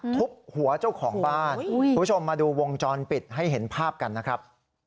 ทุบหัวเจ้าของบ้านคุณผู้ชมมาดูวงจรปิดให้เห็นภาพกันนะครับ